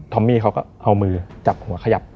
อมมี่เขาก็เอามือจับหัวขยับ